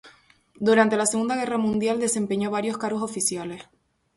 Durante la Segunda Guerra Mundial desempeñó varios cargos oficiales.